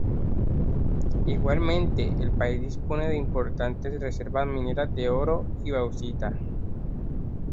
Igualmente, el país dispone de importantes reservas mineras de oro y bauxita.